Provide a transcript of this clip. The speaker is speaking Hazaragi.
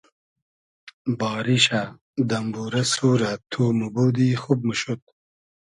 باریشۂ ، دئمبورۂ سورۂ تو موبودی خوب موشود